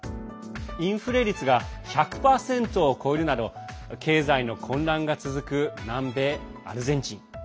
インフレ率が１００％を超えるなど経済の混乱が続く南米アルゼンチン。